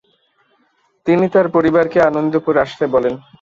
তিনি তার পরিবারকে আনন্দপুর আসতে বলেন।